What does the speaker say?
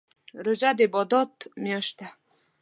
روژه دي عبادات میاشت ده